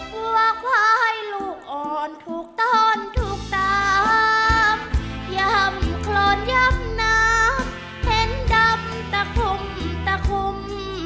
หัวควายลูกอ่อนถูกตอนถูกตามย่ำโครนยำน้ำเห็นดำตะคุ่มตะคุ่ม